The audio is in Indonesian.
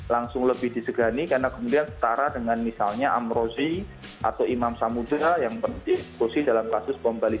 langsung lebih disegani karena kemudian setara dengan misalnya amrozi atau imam samudera yang penting posisi dalam kasus bom bali